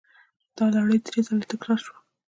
دا لړۍ درې ځله تکرار شوه.